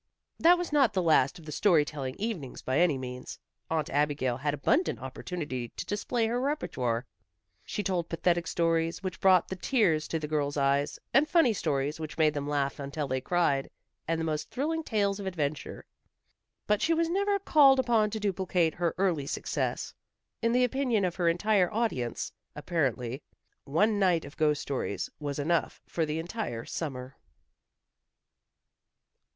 That was not the last of the story telling evenings by any means. Aunt Abigail had abundant opportunity to display her repertoire. She told pathetic stories, which brought the tears to the girls' eyes, and funny stories, which made them laugh until they cried, and the most thrilling tales of adventure. But she was never called upon to duplicate her early success. In the opinion of her entire audience, apparently, one night of ghost stories was enough for the entire summer.